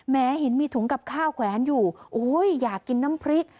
เห็นมีถุงกับข้าวแขวนอยู่โอ้ยอยากกินน้ำพริก